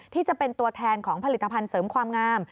ที่จะเป็นตัวแทนของผลิตภัณฑ์เสริมความงาม